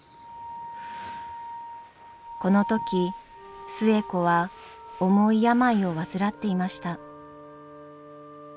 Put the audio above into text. この時寿恵子は重い病を患っていました。